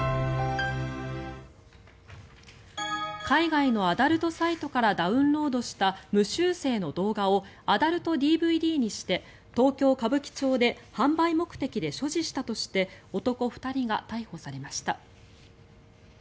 海外のアダルトサイトからダウンロードした無修正の動画をアダルトＤＶＤにして東京・歌舞伎町で販売目的で所持したとして男２人が逮捕されました。